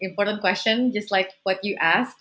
pertanyaan penting seperti yang anda